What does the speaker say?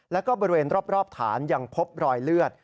แล้วก็บริเวณรอบฐานยังพบรอยเลือด